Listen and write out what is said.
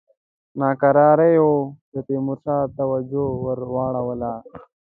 ناکراریو د تیمورشاه توجه ور واړوله.